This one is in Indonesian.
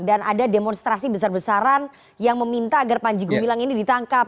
dan ada demonstrasi besar besaran yang meminta agar panji gumilang ini ditangkap